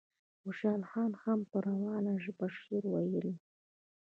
خوشحال خان هم په روانه ژبه شعر ویلی.